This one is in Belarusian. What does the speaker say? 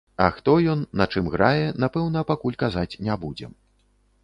А хто ён, на чым грае, напэўна, пакуль казаць не будзем.